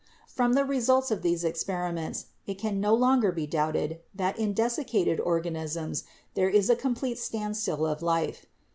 From the results of these experiments it can no longer be doubted that in desiccated organisms there is a complete standstill of life.